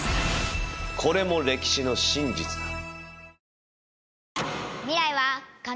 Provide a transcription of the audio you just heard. これも歴史の真実だ。